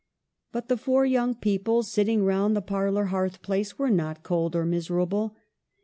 But the four young people sitting round the parlor hearth place were not cold or miserable.